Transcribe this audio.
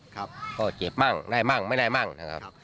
ครับก็เจ็บมั่งได้มั่งไม่ได้มั่งนะครับ